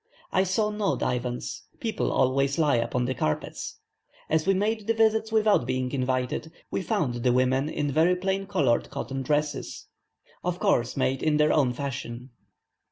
I saw no divans, people always lie upon the carpets. As we made the visits without being invited, we found the women in very plain coloured cotton dresses, of course, made in their own fashion.